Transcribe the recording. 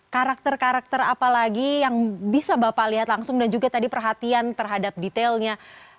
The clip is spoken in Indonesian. karakter karakter apa lagi yang bisa bapak lihat langsung dan juga tadi perhatian terhadap detailnya